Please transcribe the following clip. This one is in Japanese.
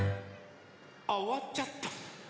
あおわっちゃった。